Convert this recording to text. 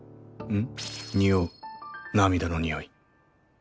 ん？